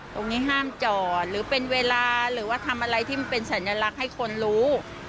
ห้ามจอดหรือเป็นเวลาหรือว่าทำอะไรที่มันเป็นสัญลักษณ์ให้คนรู้